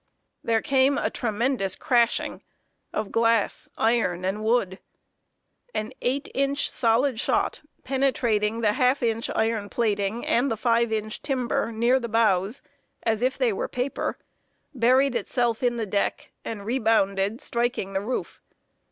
There came a tremendous crashing of glass, iron, and wood! An eight inch solid shot, penetrating the half inch iron plating and the five inch timber, near the bows, as if they were paper, buried itself in the deck, and rebounded, striking the roof.